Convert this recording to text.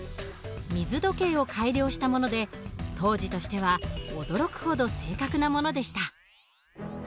水時計を改良したもので当時としては驚くほど正確なものでした。